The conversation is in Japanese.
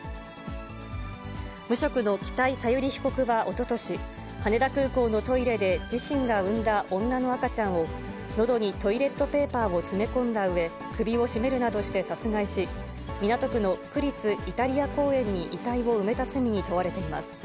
無職の北井小由里被告はおととし、羽田空港のトイレで自身が産んだ女の赤ちゃんを、のどにトイレットペーパーを詰め込んだうえ、首を絞めるなどして殺害し、港区の区立イタリア公園に遺体を埋めた罪に問われています。